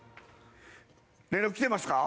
連絡きてますか？